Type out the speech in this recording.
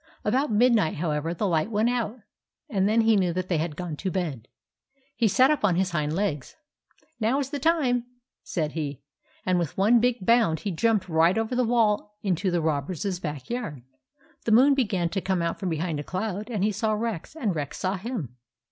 About midnight, however, the light went out, and then he knew that they had gone to bed. He sat up on his hind legs. " Now is the time," said he, and with one big bound he jumped right over the wall into the robbers' back yard. The moon began to come out from behind a cloud, and he saw Rex and Rex saw him.